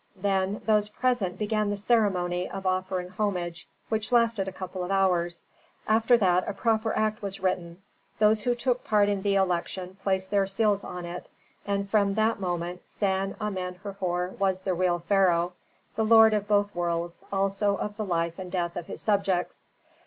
Then those present began the ceremony of offering homage, which lasted a couple of hours. After that a proper act was written; those who took part in the election placed their seals on it, and from that moment San Amen Herhor was the real pharaoh, the lord of both worlds, also of the life and death of his subjects.